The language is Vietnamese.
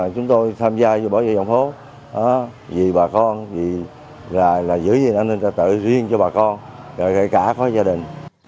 cuộc sống bình yên cho người dân